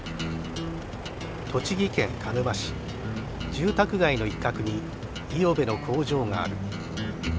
住宅街の一角に五百部の工場がある。